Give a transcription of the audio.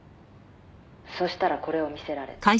「そうしたらこれを見せられた」